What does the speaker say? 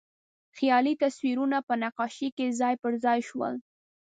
خیالي تصویرونه په نقاشۍ کې ځای پر ځای شول.